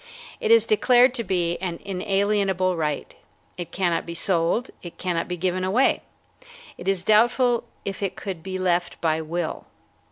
It is declared to be an inalienable right. It cannot be sold. It cannot be given away. It is doubtful if it could be left by will.